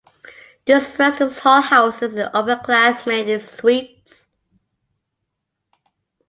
This residence hall houses upperclassmen in suites.